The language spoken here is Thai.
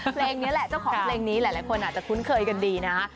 เพลงนี้แหละเจ้าของเพลงนี้หลายคนอาจจะคุ้นเคยกันดีนะฮะ